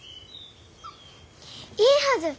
いいはず。